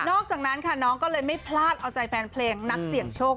อกจากนั้นค่ะน้องก็เลยไม่พลาดเอาใจแฟนเพลงนักเสี่ยงโชค